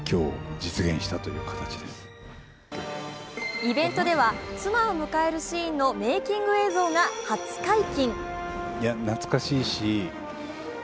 イベントでは妻を迎えるシーンのメーキング映像が初解禁。